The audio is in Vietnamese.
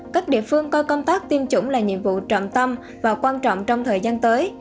các địa phương coi công tác tiêm chủng là nhiệm vụ trọng tâm và quan trọng trong thời gian tới